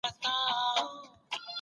د اسلام په رڼا کي هر څه روښانه سول.